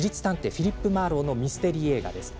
フィリップ・マーロウのミステリー映画です。